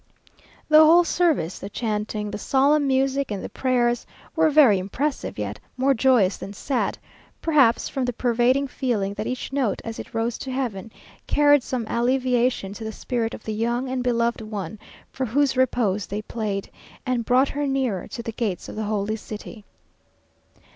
The whole service, the chanting, the solemn music, and the prayers, were very impressive, yet more joyous than sad, perhaps from the pervading feeling that each note, as it rose to heaven, carried some alleviation to the spirit of the young and beloved one for whose repose they played, and brought her nearer to the gates of the Holy City.